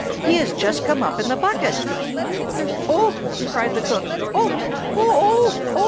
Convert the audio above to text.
"He has just come up in the bucket!" "Oh!" cried the cook. "Oh! oh!! o o o h!!!